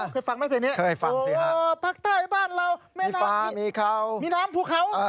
เคยฟังไหมเพลงนี้โอ้โฮปากไต้บ้านเรามีฟ้ามีเขามีน้ำผูเขา